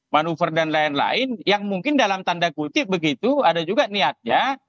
manuver dan lain lain yang mungkin dalam tanda kutip begitu ada juga niatnya